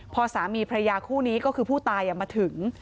พอสามีพระยาคู่นี้ก็คือผู้ตายมาถึง